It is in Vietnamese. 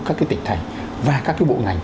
các cái tỉnh thành và các cái bộ ngành